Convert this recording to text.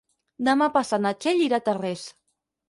Demà passat na Txell irà a Tarrés.